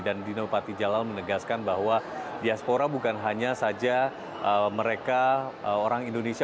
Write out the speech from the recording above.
dan dino pati jalal menegaskan bahwa diaspora bukan hanya saja mereka orang indonesia